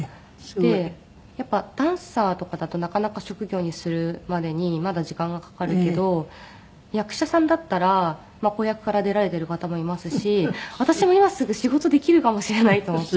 でやっぱりダンサーとかだとなかなか職業にするまでにまだ時間はかかるけど役者さんだったら子役から出られている方もいますし私も今すぐ仕事できるかもしれないと思って。